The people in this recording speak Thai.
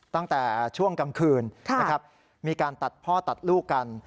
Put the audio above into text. ตั้งแต่ช่วงกลางคืนนะครับมีการตัดพ่อตัดลูกกัน